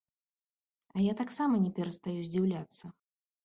А я таксама не перастаю здзіўляцца.